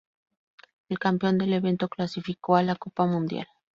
El campeón del evento clasificó a la Copa Mundial.